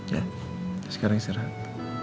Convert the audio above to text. ya sekarang istirahat